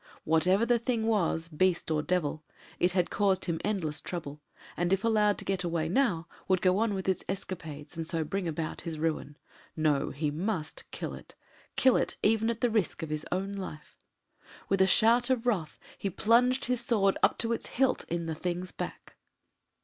Whatever the thing was beast or devil it had caused him endless trouble, and if allowed to get away now, would go on with its escapades, and so bring about his ruin. No! he must kill it. Kill it even at the risk of his own life. With a shout of wrath he plunged his sword up to its hilt in the thing's back.